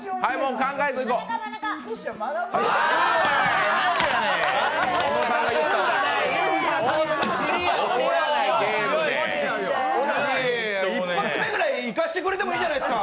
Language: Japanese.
１発目くらい、いかせてくれてもいいじゃないですか。